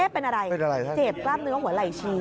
เป็นอะไรฮะเจ็บกล้ามเนื้อหัวไหล่ชี